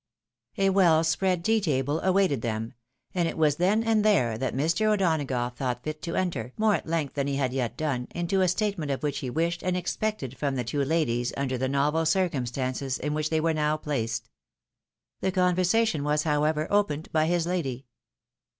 A well spread tea table awaited them ; and it was then and there that Mr. O'Donagough thought fit to enter, more at length than he had yet done, into a statement of what he wished and expected from the two ladies under the novel circumstances in which they were now placed. The conversation was, however, opened by his lady.